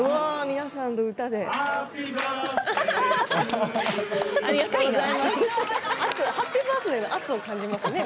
皆さんの歌でね。